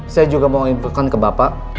saya juga mau infokan ke bapak